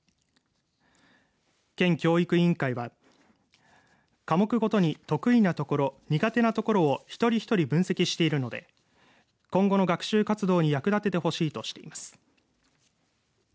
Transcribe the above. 県教育委員会は科目ごとに得意なところ苦手なところを１人１人分析しているので今後の学習活動に役立ててほしいとしています。